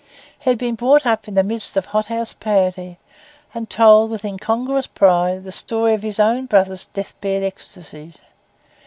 He had been brought up in the midst of hot house piety, and told, with incongruous pride, the story of his own brother's deathbed ecstasies.